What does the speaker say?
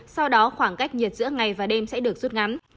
sau đó khoảng cách nhiệt giữa ngày và đêm sẽ được rút ngắn